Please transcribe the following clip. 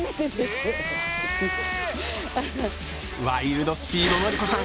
ワイルドスピードのり子さん